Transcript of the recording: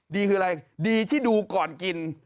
ดีคืออะไรดีที่ดูก่อนกิน